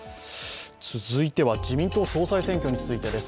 続いては、自民党総裁選挙についてです。